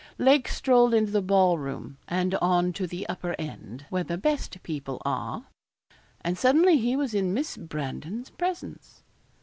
Lake strolled into the ball room, and on to the upper end, where the 'best' people are, and suddenly he was in Miss Brandon's presence.